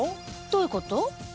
どういうこと？